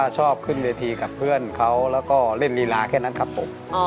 ชอบขึ้นเวทีกับเพื่อนเขาแล้วก็เล่นลีลาแค่นั้นครับผม